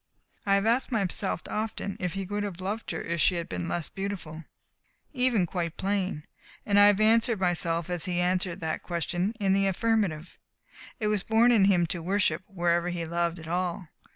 I have asked myself often if he would have loved her if she had been less beautiful even quite plain, and I have answered myself as he answered that question, in the affirmative. It was born in him to worship wherever he loved at all.